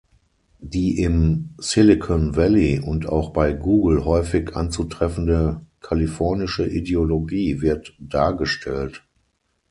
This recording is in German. Die im Silicon Valley und auch bei Google häufig anzutreffende Kalifornische Ideologie wird dargestellt.